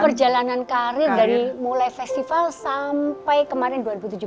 perjalanan karir dari mulai festival sampai kemarin dua ribu tujuh belas